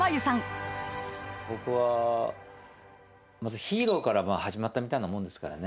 僕はまず『ＨＥＲＯ』から始まったみたいなもんですからね。